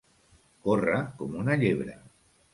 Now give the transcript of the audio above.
Córrer com una llebre.